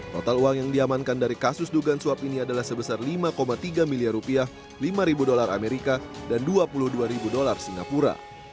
total uang yang diamankan dari kasus dugaan suap ini adalah sebesar lima tiga miliar rupiah lima dolar amerika dan dua puluh dua ribu dolar singapura